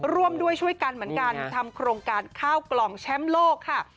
ร่วมด้วยช่วยกันเหมือนกันทำโครงการข้าวกล่องแชมป์โลกค่ะ